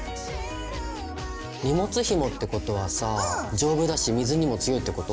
荷物ひもってことはさ丈夫だし水にも強いってこと？